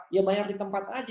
ya bayar di tempat aja